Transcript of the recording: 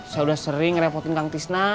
saya udah sering repotin kang tisna